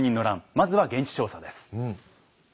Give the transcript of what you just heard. まずは現地調査です。